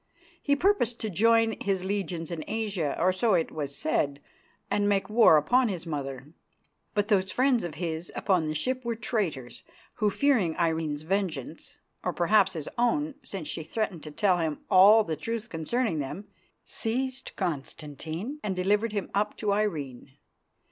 He purposed to join his legions in Asia, or so it was said, and make war upon his mother. But those friends of his upon the ship were traitors, who, fearing Irene's vengeance or perhaps his own, since she threatened to tell him all the truth concerning them, seized Constantine and delivered him up to Irene.